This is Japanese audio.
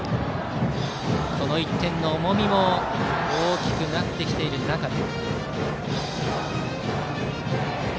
この１点の重みも大きくなってきている中で。